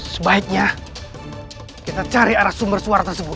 sebaiknya kita cari arah sumber suara tersebut